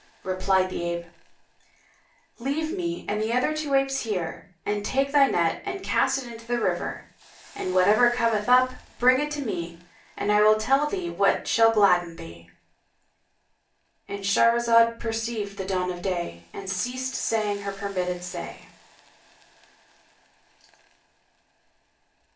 Replied the ape, "Leave me and the other two apes here, and take thy net and cast it into the river; and whatever cometh up, bring it to me, and I will tell thee what shall gladden thee."—And Shahrazad perceived the dawn of day and ceased saying her permitted say.